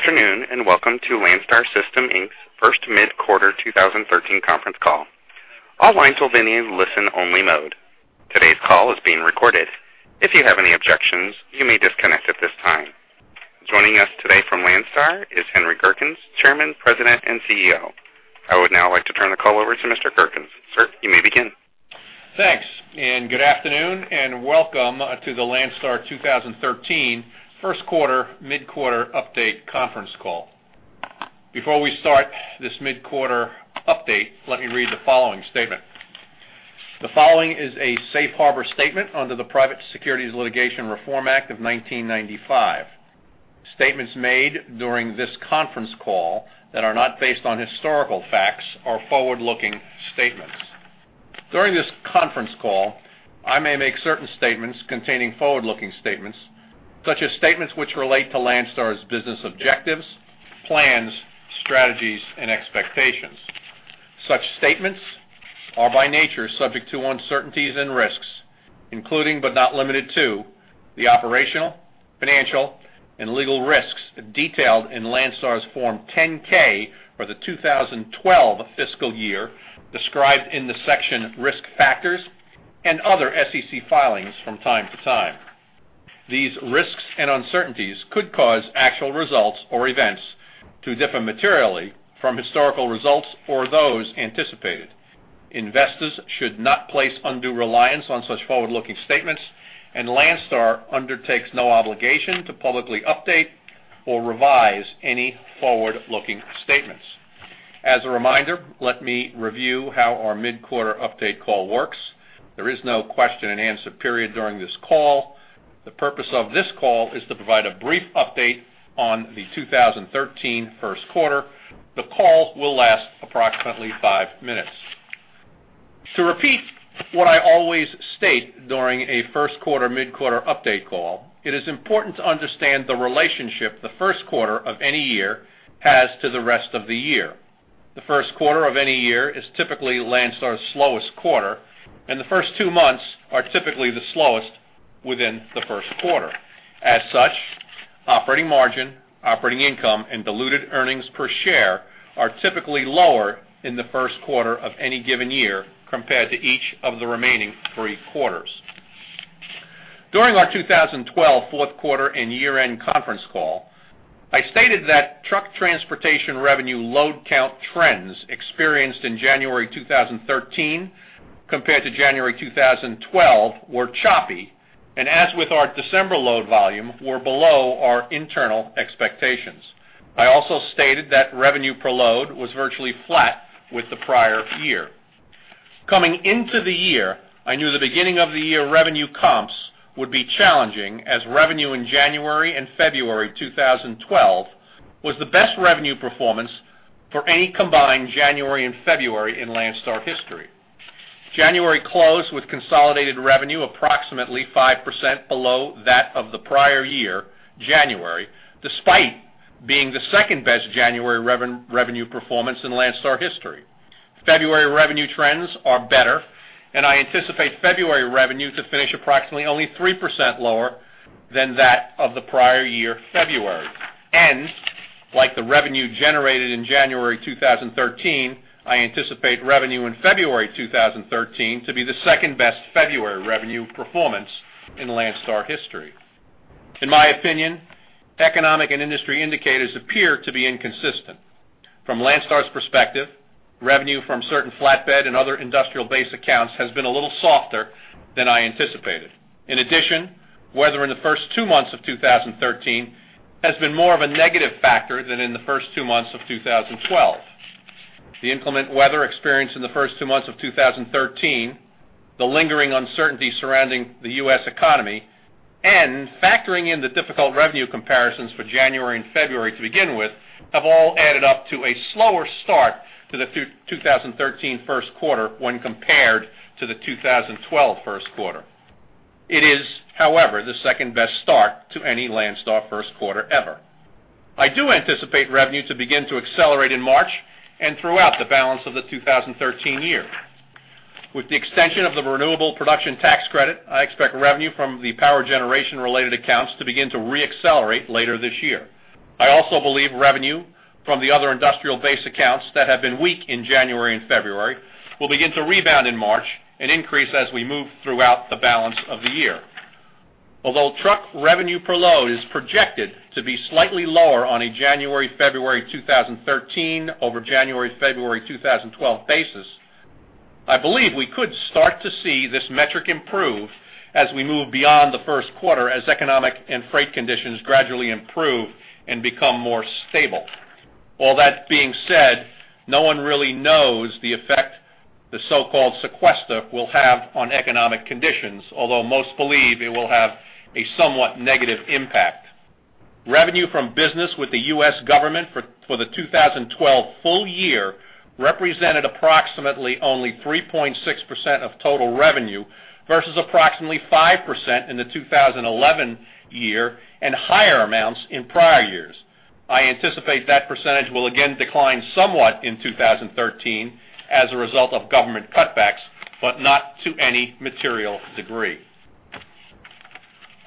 Good afternoon and welcome to Landstar System Inc first mid-quarter 2013 conference call. All lines will be in listen-only mode. Today's call is being recorded. If you have any objections, you may disconnect at this time. Joining us today from Landstar is Henry Gerkens, Chairman, President, and CEO. I would now like to turn the call over to Mr. Gerkens. Sir, you may begin. Thanks, and good afternoon and welcome to the Landstar 2013 first-quarter, mid-quarter update conference call. Before we start this mid-quarter update, let me read the following statement. The following is a safe harbor statement under the Private Securities Litigation Reform Act of 1995. Statements made during this conference call that are not based on historical facts are forward-looking statements. During this conference call, I may make certain statements containing forward-looking statements, such as statements which relate to Landstar's business objectives, plans, strategies, and expectations. Such statements are by nature subject to uncertainties and risks, including but not limited to the operational, financial, and legal risks detailed in Landstar's Form 10-K for the 2012 fiscal year, described in the section Risk Factors and other SEC filings from time to time. These risks and uncertainties could cause actual results or events to differ materially from historical results or those anticipated. Investors should not place undue reliance on such forward-looking statements, and Landstar undertakes no obligation to publicly update or revise any forward-looking statements. As a reminder, let me review how our mid-quarter update call works. There is no question and answer period during this call. The purpose of this call is to provide a brief update on the 2013 first quarter. The call will last approximately five minutes. To repeat what I always state during a first-quarter, mid-quarter update call, it is important to understand the relationship the first quarter of any year has to the rest of the year. The first quarter of any year is typically Landstar's slowest quarter, and the first two months are typically the slowest within the first quarter. As such, operating margin, operating income, and diluted earnings per share are typically lower in the first quarter of any given year compared to each of the remaining three quarters. During our 2012 fourth quarter and year-end conference call, I stated that truck transportation revenue load count trends experienced in January 2013 compared to January 2012 were choppy, and as with our December load volume, were below our internal expectations. I also stated that revenue per load was virtually flat with the prior year. Coming into the year, I knew the beginning of the year revenue comps would be challenging as revenue in January and February 2012 was the best revenue performance for any combined January and February in Landstar history. January closed with consolidated revenue approximately 5% below that of the prior year, January, despite being the second-best January revenue performance in Landstar history. February revenue trends are better, and I anticipate February revenue to finish approximately only 3% lower than that of the prior year, February. Like the revenue generated in January 2013, I anticipate revenue in February 2013 to be the second-best February revenue performance in Landstar history. In my opinion, economic and industry indicators appear to be inconsistent. From Landstar's perspective, revenue from certain flatbed and other industrial-based accounts has been a little softer than I anticipated. In addition, weather in the first two months of 2013 has been more of a negative factor than in the first two months of 2012. The inclement weather experienced in the first two months of 2013, the lingering uncertainty surrounding the U.S. economy, and factoring in the difficult revenue comparisons for January and February to begin with, have all added up to a slower start to the 2013 first quarter when compared to the 2012 first quarter. It is, however, the second-best start to any Landstar first quarter ever. I do anticipate revenue to begin to accelerate in March and throughout the balance of the 2013 year. With the extension of the Renewable Production Tax Credit, I expect revenue from the power generation-related accounts to begin to re-accelerate later this year. I also believe revenue from the other industrial-based accounts that have been weak in January and February will begin to rebound in March and increase as we move throughout the balance of the year. Although truck revenue per load is projected to be slightly lower on a January-February 2013 over January-February 2012 basis, I believe we could start to see this metric improve as we move beyond the first quarter as economic and freight conditions gradually improve and become more stable. All that being said, no one really knows the effect the so-called Sequester will have on economic conditions, although most believe it will have a somewhat negative impact. Revenue from business with the U.S. Government for the 2012 full year represented approximately only 3.6% of total revenue versus approximately 5% in the 2011 year and higher amounts in prior years. I anticipate that percentage will again decline somewhat in 2013 as a result of government cutbacks, but not to any material degree.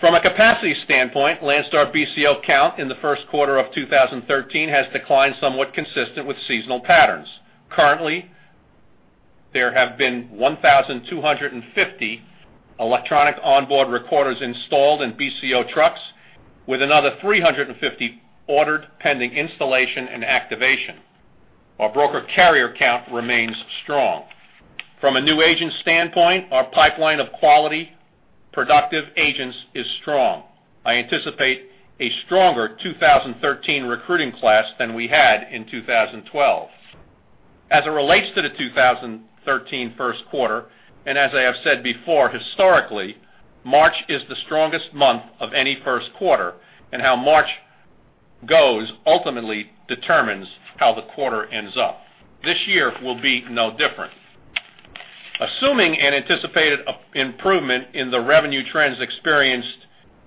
From a capacity standpoint, Landstar BCO count in the first quarter of 2013 has declined somewhat consistent with seasonal patterns. Currently, there have been 1,250 electronic onboard recorders installed in BCO trucks, with another 350 ordered pending installation and activation. Our broker carrier count remains strong. From a new agent standpoint, our pipeline of quality productive agents is strong. I anticipate a stronger 2013 recruiting class than we had in 2012. As it relates to the 2013 first quarter, and as I have said before, historically, March is the strongest month of any first quarter, and how March goes ultimately determines how the quarter ends up. This year will be no different. Assuming an anticipated improvement in the revenue trends experienced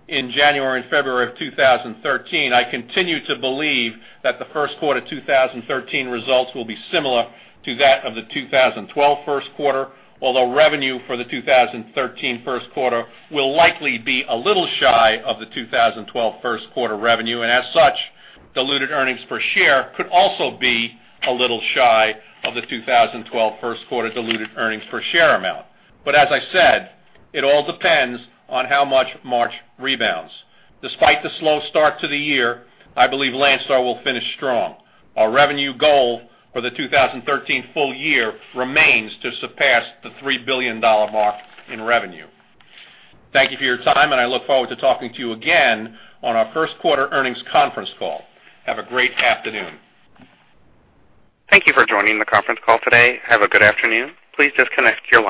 in January and February of 2013, I continue to believe that the first quarter 2013 results will be similar to that of the 2012 first quarter, although revenue for the 2013 first quarter will likely be a little shy of the 2012 first quarter revenue, and as such, diluted earnings per share could also be a little shy of the 2012 first quarter diluted earnings per share amount. But as I said, it all depends on how much March rebounds. Despite the slow start to the year, I believe Landstar will finish strong. Our revenue goal for the 2013 full year remains to surpass the $3 billion mark in revenue. Thank you for your time, and I look forward to talking to you again on our first quarter earnings conference call. Have a great afternoon. Thank you for joining the conference call today. Have a good afternoon. Please disconnect your line.